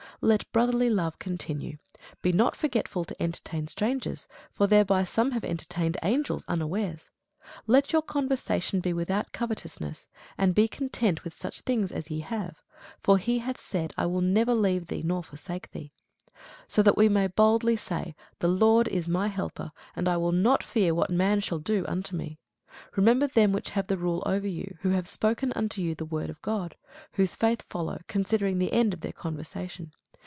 Let brotherly love continue. Be not forgetful to entertain strangers: for thereby some have entertained angels unawares. Let your conversation be without covetousness; and be content with such things as ye have: for he hath said, I will never leave thee, nor forsake thee. So that we may boldly say, The Lord is my helper, and I will not fear what man shall do unto me. Remember them which have the rule over you, who have spoken unto you the word of God: whose faith follow, considering the end of their conversation.